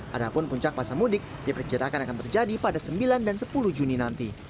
padahal puncak pasang mudik diperkirakan akan terjadi pada sembilan dan sepuluh juni nanti